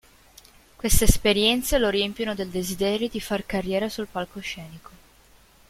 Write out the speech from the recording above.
Queste esperienze lo riempirono del desiderio di far carriera sul palcoscenico.